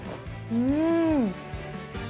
うん！